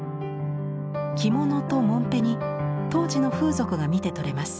着物とモンペに当時の風俗が見て取れます。